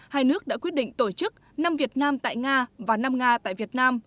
hai nước đã quyết định tổ chức năm việt nam tại nga và năm nga tại việt nam